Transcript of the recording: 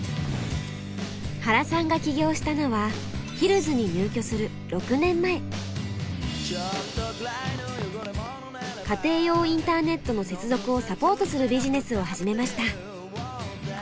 原さんが起業したのは家庭用インターネットの接続をサポートするビジネスを始めました。